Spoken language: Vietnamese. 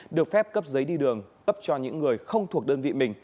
được phép cấp giấy đi đường cấp cho những người không thuộc đơn vị mình